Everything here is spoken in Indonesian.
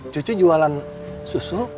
cucu jualan susu